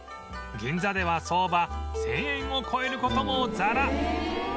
銀座では相場１０００円を超える事もザラ